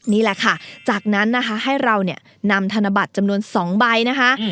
นี่แหละค่ะจากนั้นนะคะให้เราเนี่ยนำธนบัตรจำนวน๒ใบนะคะ